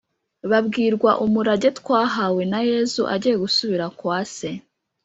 babwirwa umurage twahawe na yezu agiye gusubira kwa se